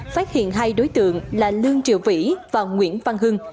phát hiện hai đối tượng là lương triều vĩ và nguyễn văn hưng